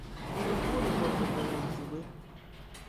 gburugburu na obodo n'izugbe